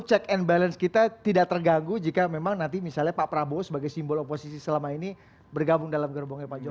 check and balance kita tidak terganggu jika memang nanti misalnya pak prabowo sebagai simbol oposisi selama ini bergabung dalam gerbongnya pak jokowi